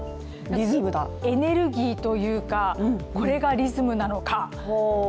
エネルギーというか、これがリズムなのか？